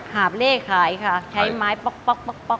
หาบเล่ขายค่ะใช้ไม้ป๊อกป๊อก